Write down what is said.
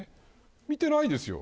見てないですよ。